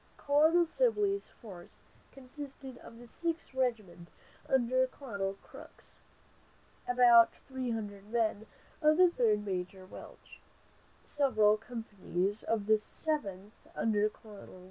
Colonel Sibley's force consisted of the Sixth Regiment under Colonel Crooks, about three hundred men of the Third under Major Welch, several companies of the Seventh under Col.